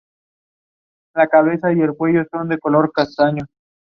This album has been my favourite to record.